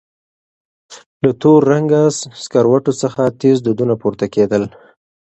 له تور رنګه سکروټو څخه تېز دودونه پورته کېدل.